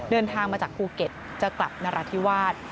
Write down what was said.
เดินทางมาจากภูเก็ตจะกลับนราธิวาส